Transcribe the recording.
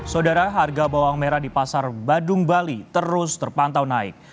saudara harga bawang merah di pasar badung bali terus terpantau naik